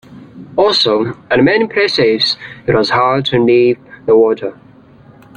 Also, at many places it was hard to leave the water.